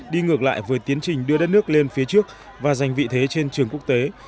đi ngược lại với tiến trình đưa đất nước lên phía trước và giành vị thế trên trường quốc tế